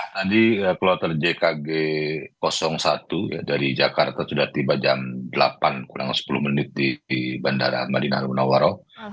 tadi kloter jkg satu dari jakarta sudah tiba jam delapan kurang lebih sepuluh menit di bandara madinah munawaro